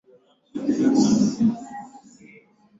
na hasa kwa wilaya ya makete nilipo